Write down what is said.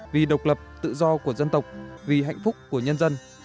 vì độc lập tự do của dân tộc vì hạnh phúc của nhân dân